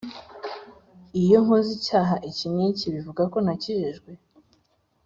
Iyo nkoze icyaha iki n'iki, bivuga ko ntakijijwe?